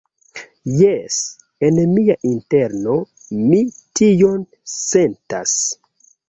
Jes, en mia interno mi tion sentas.